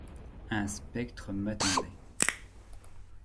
Un spectre m’attendait... »